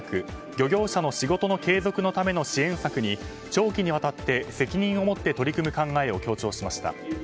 漁業者の仕事の継続のための支援策に長期にわたって責任を持って取り組む考えを強調しました。